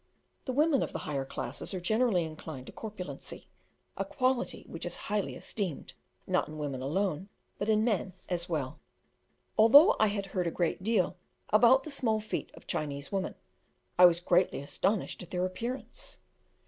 The women of the higher classes are generally inclined to corpulency, a quality which is highly esteemed not in women alone, but in men as well. Although I had heard a great deal about the small feet of Chinese women, I was greatly astonished at their appearance.